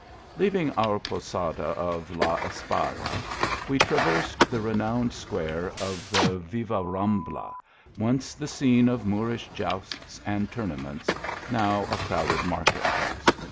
Leaving our posada of La Espada, we traversed the renowned square of the Vivarrambla, once the scene of Moorish jousts and tournaments, now a crowded market place.